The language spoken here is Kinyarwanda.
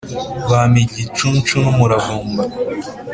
bampa igicuncu n` umuravumba